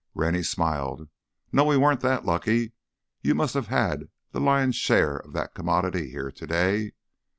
Rennie smiled. "No, we weren't that lucky—you must have had the lion's share of that commodity here today.